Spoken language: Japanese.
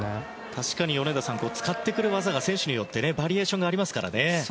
確かに米田さん使ってくる技が選手によってバリエーションがありますからね。